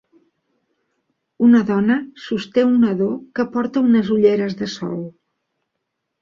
Una dona sosté un nadó que porta unes ulleres de sol.